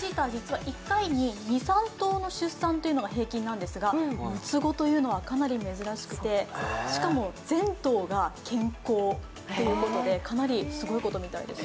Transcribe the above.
チーター、実は１回に２３頭の出産なんですが６つ子というのは、かなり珍しくてしかも全頭が健康ということで、かなりすごいことみたいです。